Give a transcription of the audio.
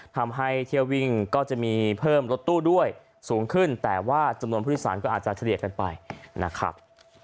ทำให้เที่ยววิ่งก็จะมีเพิ่มรถตู้ด้วยสูงขึ้นแต่ว่าจำนวนผู้โดยสารก็อาจจะเฉลี่ยกันไปนะครับ